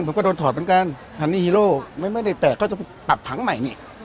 ผมก็โดนถอดเหมือนกันอันนี้ฮีโร่ไม่ได้แตกก็จะไปปรับผังใหม่นี่